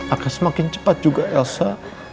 akan semakin cepat juga elsa